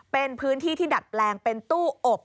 เป็นพื้นที่ที่ดัดแปลงเป็นตู้อบ